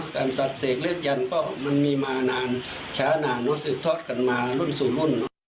การสัดสีเกล็กยันต์ก็มีมานานช้านานสืบทอดกันมารุ่น